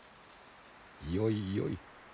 よいよい。